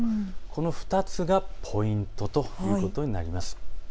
この２つがポイントということになります。